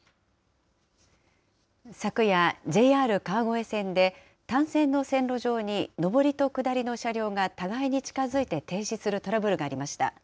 昨夜、ＪＲ川越線で、単線の線路上に上りと下りの車両が互いに近づいて停止するトラブルがありました。